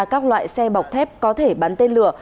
các loại xe bọc thép có thể bắn tên lửa